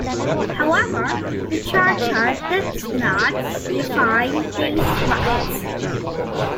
However, the Charter did not define these rights.